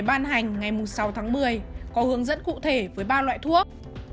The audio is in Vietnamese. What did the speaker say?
ban hành ngày sáu tháng một mươi có hướng dẫn cụ thể với ba loại thuốc